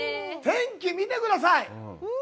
天気、見てください！